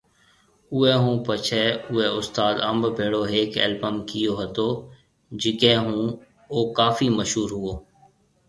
اوئي ھونپڇي اوئي استاد انب ڀيڙو ھيَََڪ البم ڪيئو ھتو جڪي او ڪافي مشھور ھوئو